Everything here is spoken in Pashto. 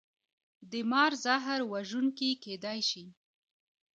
د مار زهر وژونکي کیدی شي